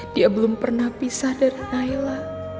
dia belum pernah pisah dari thailand